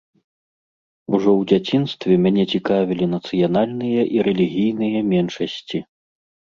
Ужо ў дзяцінстве мяне цікавілі нацыянальныя і рэлігійныя меншасці.